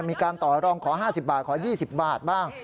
มีการต่อรองขอ๕๐บาทขอ๒๐บาทบ้าง